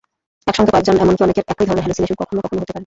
একসঙ্গে কয়েকজন এমনকি অনেকের একই ধরনের হ্যালুসিনেশন কখনো কখনো হতে পারে।